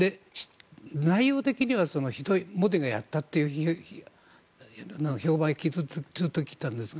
内容的にはモディがやったという評判を聞いたんですが。